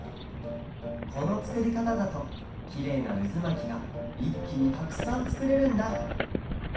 このつくりかただときれいなうずまきがいっきにたくさんつくれるんだ。